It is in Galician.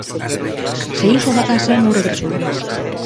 Saíu só da casa e non regresou.